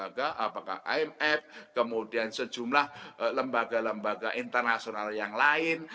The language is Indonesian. apakah imf kemudian sejumlah lembaga lembaga internasional yang lain